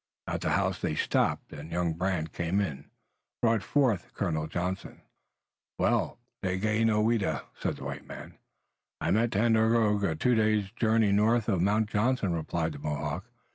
At the house they stopped, and, young Brant going in, brought forth Colonel Johnson. "Well, Daganoweda," said the white man. "I met Tandakora two days' journey north of Mount Johnson," replied the Mohawk.